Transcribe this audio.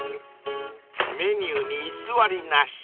［メニューに偽りなし］